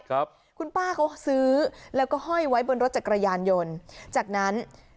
ครับคุณป้าเขาซื้อแล้วก็ห้อยไว้บนรถจักรยานยนต์จากนั้น